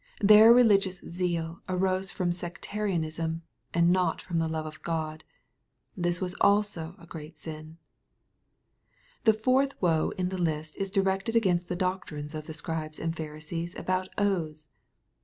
Their religious zeal arose from sec tarianism, and not from the love of Grod. This also was a great sin. The fourth " woe" in the list is directed against the doctrines of the Scribes and Pharisees about oaths.